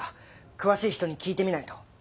詳しい人に聞いてみないと。